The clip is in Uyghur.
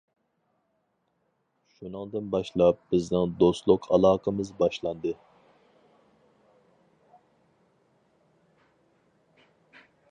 شۇنىڭدىن باشلاپ بىزنىڭ دوستلۇق ئالاقىمىز باشلاندى.